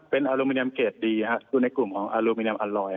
เป็นอลูมิเนียมเกรดดีคือในกลุ่มของอลูมิเนียมอัลลอย